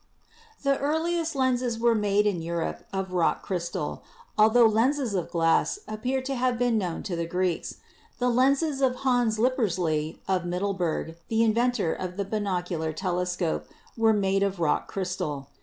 The earliest lenses were made in Europe of rock crystal, altho lenses of glass appaer to have been known to the Greeks. The lenses of Hans Lippersley, of Middleburg, the inventor of the binocular telescope, were made of rock crystal.